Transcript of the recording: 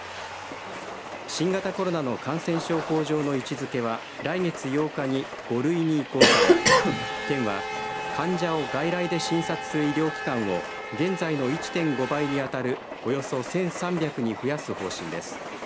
新型コロナの感染症法上の位置づけは来月８日に５類に移行され県は患者を外来で診察する医療機関を現在の１．５倍に当たるおよそ１３００に増やす方針です。